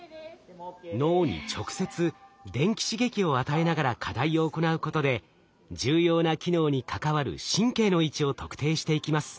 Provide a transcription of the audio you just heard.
脳に直接電気刺激を与えながら課題を行うことで重要な機能に関わる神経の位置を特定していきます。